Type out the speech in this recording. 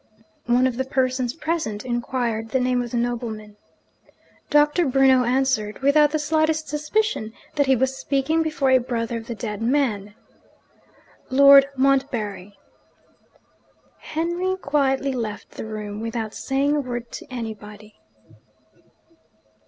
One of the persons present inquired the name of the nobleman. Doctor Bruno answered (without the slightest suspicion that he was speaking before a brother of the dead man), 'Lord Montbarry.' Henry quietly left the room, without saying a word to anybody.